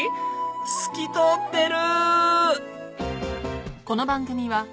透き通ってる！